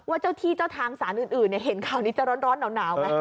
เจ้าที่เจ้าทางสารอื่นเห็นข่าวนี้จะร้อนหนาวไหม